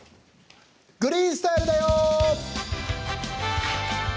「グリーンスタイル」だよ。